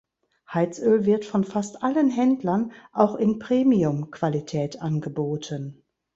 Heizöl wird von fast allen Händlern auch in „Premium“-Qualität angeboten.